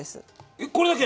えっこれだけ？